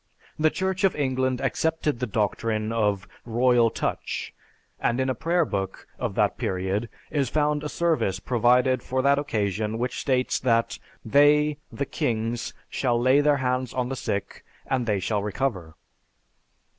The Church of England accepted the doctrine of "royal touch," and in a prayer book of that period is found a service provided for that occasion which states that "They (the kings), shall lay their hands on the sick, and they shall recover."